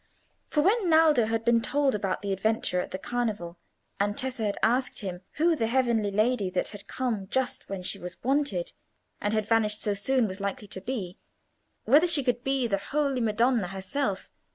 For when Naldo had been told about the adventure at the Carnival, and Tessa had asked him who the heavenly lady that had come just when she was wanted, and had vanished so soon, was likely to be—whether she could be the Holy Madonna herself?